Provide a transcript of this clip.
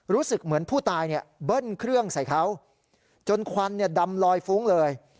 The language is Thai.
รู้สึกเหมือนผู้ตายเนี่ยเบิ้ลเครื่องใส่เขาจนควันดำลอยฟุ้งเลย